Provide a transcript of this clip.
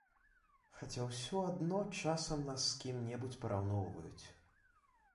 Хаця ўсё адно часам нас з кім-небудзь параўноўваюць.